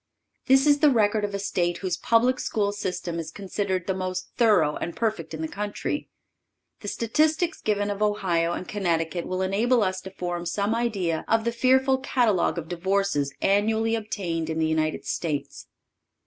This is the record of a State whose public school system is considered the most thorough and perfect in the country. The statistics given of Ohio and Connecticut will enable us to form some idea of the fearful catalogue of divorces annually obtained in the United States.